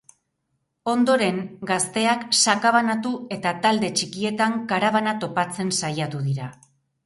Ondoren, gazteak sakabanatu eta talde txikietan karabana topatzen saiatu dira.